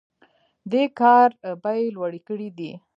دې کار بیې لوړې کړي دي.